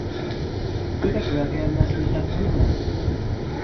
— Go‘daklarga nasihat qilma.